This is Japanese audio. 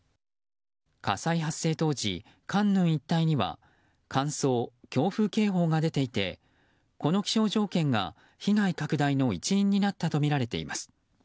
火災発生当時、カンヌン一帯には乾燥・強風警報が出ていてこの気象条件が被害の拡大の一因になったとみられています。